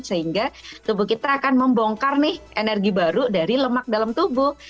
sehingga tubuh kita akan membongkar nih energi baru dari lemak dalam tubuh